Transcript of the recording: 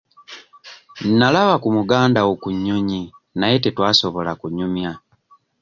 Nalaba ku mugandawo ku nnyonyi naye tetwasobola kunyumya.